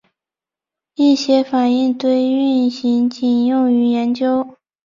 一些反应堆运行仅用于研究。